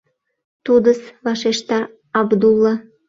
— Тудыс! — вашешта Абдулла.